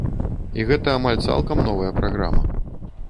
І гэта амаль цалкам новая праграма.